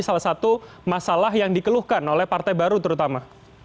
salah satu masalah yang dikeluhkan oleh partai baru terutama